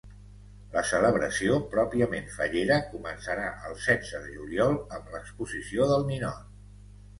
La celebració pròpiament fallera començarà el setze de juliol amb l’exposició del ninot.